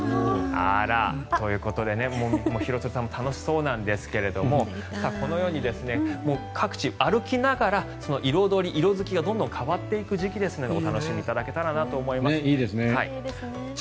あら、ということで廣津留さんも楽しそうなんですがこのように各地、歩きながら色付きがどんどん変わっていく時期ですのでお楽しみいただけたらなと思います。